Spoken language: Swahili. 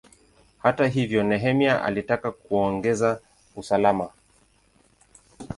Hata hivyo, Nehemia alitaka kuongeza usalama.